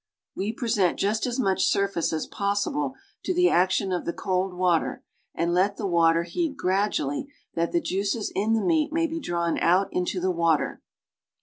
We present just as much surface as jjossible to the action of the cold water and let the water heat gradually that the juices in the meat may be drawn out into the water.